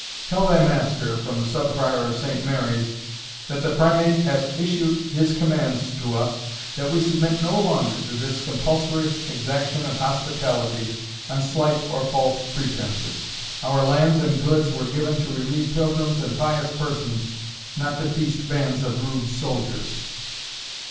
Tell thy master, from the Sub Prior of Saint Mary's, that the Primate hath issued his commands to us that we submit no longer to this compulsory exaction of hospitality on slight or false pretences. Our lands and goods were given to relieve pilgrims and pious persons, not to feast bands of rude soldiers."